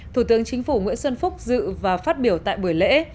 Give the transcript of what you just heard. thủ tướng chính phủ nguyễn xuân phúc dự và phát biểu tại buổi lễ